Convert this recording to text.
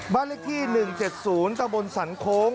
บ้านเลขที่๑๗๐ตะบนสันโค้ง